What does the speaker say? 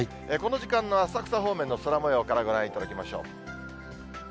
この時間の浅草方面の空もようからご覧いただきましょう。